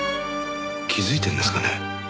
気づいてるんですかね？